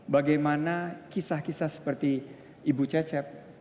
bagaimana kisah kisah seperti ibu cecep